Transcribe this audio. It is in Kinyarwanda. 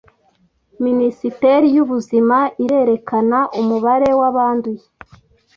Minisiteri y’Ubuzima irerekana umubare wabanduye